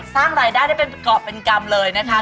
สร้างรายได้ได้เป็นประกอบเป็นกรรมเลยนะคะ